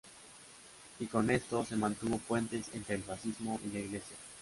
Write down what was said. Y con esto, se mantuvo puentes entre el fascismo y la Iglesia.